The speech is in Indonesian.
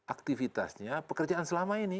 aktivitasnya pekerjaan selama ini